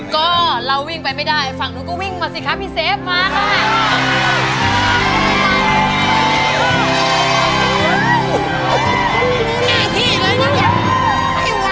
ก็เราวิ่งไปไม่ได้ฝั่งนู้นก็วิ่งมาสิคะพี่เซฟมาค่ะ